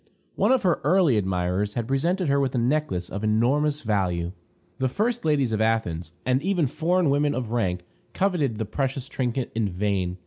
One of her early admirers had presented her with a necklace of enormous value. The first ladies of Athens, and even foreign women of rank, coveted the precious trinket in vain.